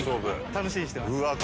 楽しみにしてます。